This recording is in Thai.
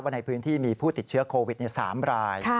ในพื้นที่มีผู้ติดเชื้อโควิด๓ราย